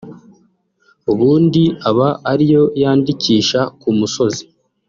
ubundi aba ari yo yandikisha ku musozi